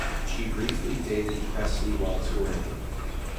She briefly dated Presley while touring.